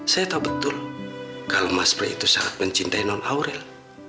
saya tahu betul kalau mas priy itu sangat mencintai non aurel